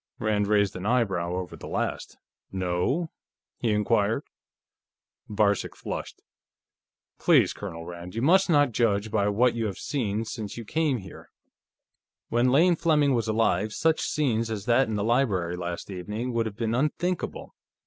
Rand raised an eyebrow over that last. "No?" he inquired. Varcek flushed. "Please, Colonel Rand, you must not judge by what you have seen since you came here. When Lane Fleming was alive, such scenes as that in the library last evening would have been unthinkable.